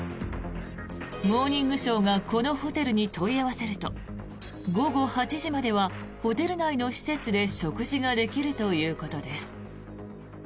「モーニングショー」がこのホテルに問い合わせると午後８時まではホテル内の施設で食事ができるということです。